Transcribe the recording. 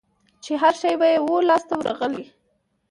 چي هرشی به یې وو لاس ته ورغلی